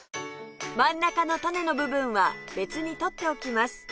真ん中の種の部分は別に取っておきます